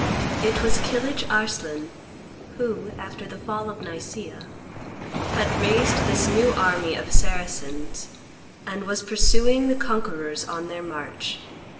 It was Kilidge Arslan, who, after the fall of Nicaea, had raised this new army of Saracens, and was pursuing the conquerors on their march.